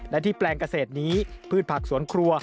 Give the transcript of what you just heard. และที่แปลงเกษตรนี้พืชผักสวนครัว